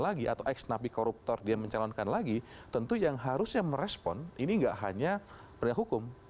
lagi atau ex nabi koruptor dia mencalonkan lagi tentu yang harusnya merespon ini nggak hanya penegak hukum